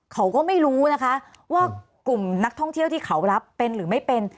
เขาก็ไม่รู้นะคะว่ากลุ่มนักท่องเที่ยวที่เขารับเป็นหรือไม่เป็น